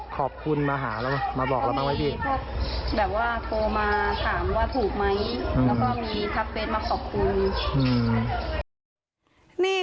โปรดติดตามต่อไป